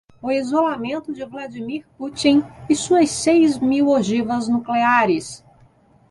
O isolamento de Vladimir Putin e suas seis mil ogivas nucleares